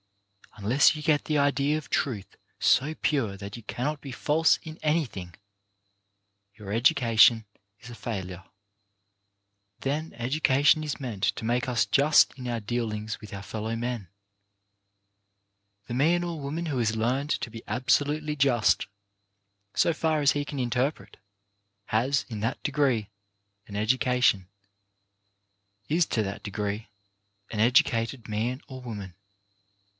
Un less you get the idea of truth so pure that you cannot be false in anything, your education is a failure. Then education is meant to make us just in our dealings with our fellow men. The man or woman ii 4 CHARACTER BUILDING who has learned to be absolutely just, so far as he can interpret, has, in that degree, an education, is to that degree an educated man or woman.